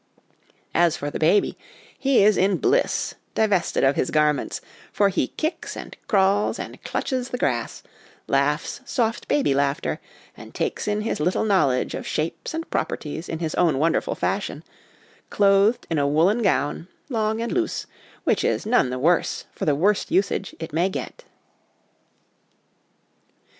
As for the baby, he is in bliss : divested of his garments, he kicks and crawls, and clutches the grass, laughs soft baby laughter, and takes in his little knowledge of shapes and properties in his own wonderful fashion clothed in a woollen gown, long and loose, which is none the worse for the worst usage it may get.